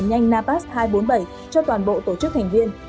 nhanh napas hai trăm bốn mươi bảy cho toàn bộ tổ chức thành viên